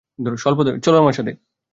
চল আমার সাথে।